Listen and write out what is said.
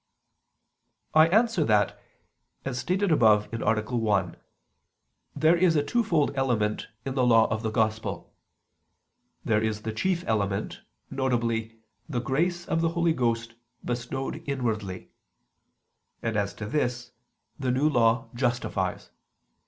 I answer that, As stated above (A. 1), there is a twofold element in the Law of the Gospel. There is the chief element, viz. the grace of the Holy Ghost bestowed inwardly. And as to this, the New Law justifies.